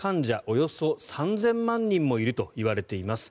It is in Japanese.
およそ３０００万人もいるといわれています。